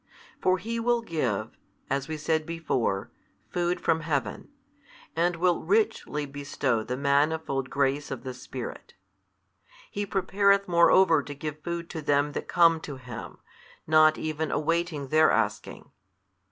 For He will give, as we said before, food from heaven, and will richly bestow the manifold grace of the Spirit. He prepareth moreover to give food to them that come to Him, not even awaiting their asking.